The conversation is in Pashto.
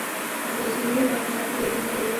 اصلي اوسیدونکي په اقتصاد کې ګډون کوي.